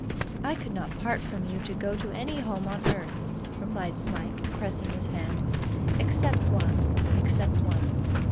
'I could not part from you to go to any home on earth,' replied Smike, pressing his hand; 'except one, except one.